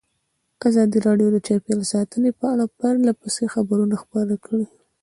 ازادي راډیو د چاپیریال ساتنه په اړه پرله پسې خبرونه خپاره کړي.